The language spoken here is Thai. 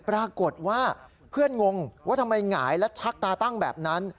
ปรากฏว่าเพื่อนงงว่าทำไมหงายและชักตาตั้งแบบนั้น